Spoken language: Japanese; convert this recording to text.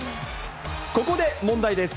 ここで問題です。